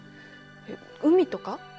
えっ海とか？